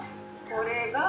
「これが」。